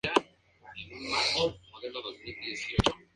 Fue bautizado ese mismo día en la parroquia de los Santos Juanes.